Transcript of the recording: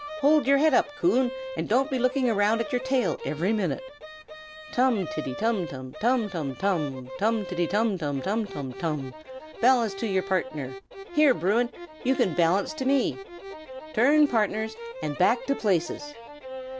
Hold your head up, Coon, and don't be looking round at your tail every minute. Tum tiddy tum tum, tum tum tum! tiddy iddy tum tum, tum tum tum! Balance to partners! Here, Bruin! you can balance to me. Turn partners, and back to places!